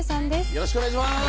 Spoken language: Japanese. よろしくお願いします。